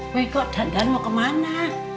wiko dandan mau kemana